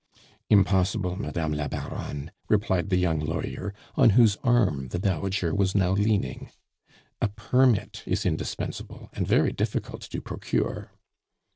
"Impossible, Madame la Baronne," replied the young lawyer, on whose arm the dowager was now leaning. "A permit is indispensable, and very difficult to procure."